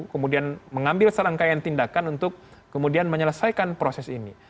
kemudian mengambil serangkaian tindakan untuk kemudian menyelesaikan proses ini